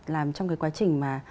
làm trong cái quá trình